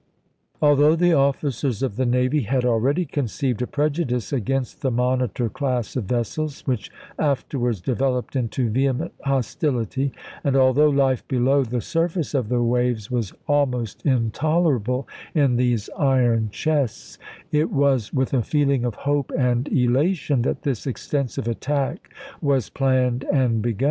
Although the officers of the navy had already conceived a prejudice against the monitor class of vessels, which afterwards developed into vehement hostility, and although life below the surface of the waves was almost intolerable in these iron chests, it was with a feeling of hope and elation that this extensive attack was planned and begun.